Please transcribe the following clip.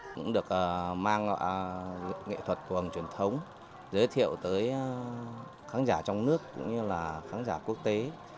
cũng được mang nghệ thuật tuồng truyền thống giới thiệu tới khán giả trong nước cũng như là khán giả quốc tế